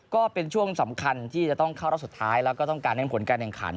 ก็เป็นช่วงสำคัญที่จะต้องเข้ารอบสุดท้ายแล้วก็ต้องการเน้นผลการแข่งขัน